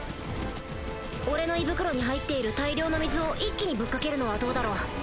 俺の胃袋に入っている大量の水を一気にぶっかけるのはどうだろう？